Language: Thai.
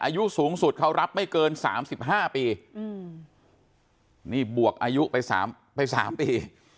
อายุสูงสุดเขารับไม่เกิน๓๕ปีนี่บวกอายุไป๓ปี